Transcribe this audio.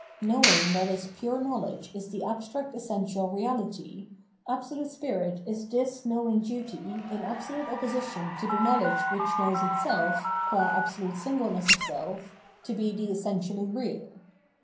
Know ing that its pure knowledge is the abstract essential reality. Absolute Spirit is this knowing duty in absolute opposition to the knowledge which knows itself, qua absolute singleness of self, to be the essentially real.